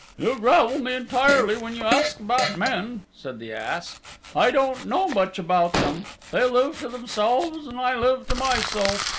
"You gravell me entirely when you ask about men," said the ass. "I don't know much about them. They live to themselves and I live to myself.